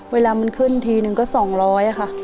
เวลามันขึ้นทีนึงก็๒๐๐ค่ะ